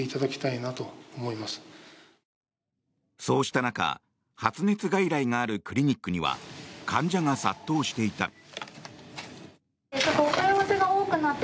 そうした中発熱外来があるクリニックには患者が殺到していた。